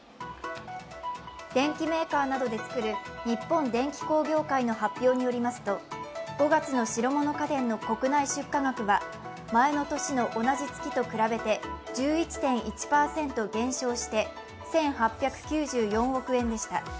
電機メーカーなどで作る日本電機工業会の発表によりますと５月の白物家電の国内出荷額は前の年の同じ月と比べて１１．１％減少して、１８９４億円でした。